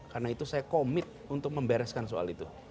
karena itu saya komit untuk membereskan soal itu